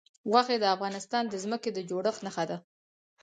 غوښې د افغانستان د ځمکې د جوړښت نښه ده.